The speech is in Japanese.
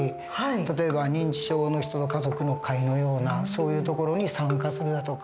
例えば認知症の人の家族の会のようなそういう所に参加するだとか。